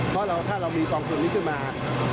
เพราะถ้าเรามีกองทุนนี้ขึ้นมา